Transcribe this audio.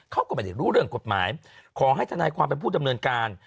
เขาก็ไม่ได้รู้เรื่องกฎหมายขอให้ทนายความเป็นผู้ดำเนินการ